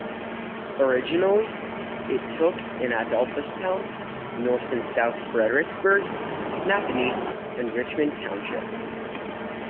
Originally, it took in Adolphustown, North and South Fredericksburgh, Napanee and Richmond township.